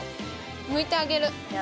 むいてあげる。